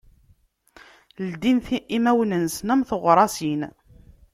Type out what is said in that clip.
Llin imawen-nnsen am teɣṛasin.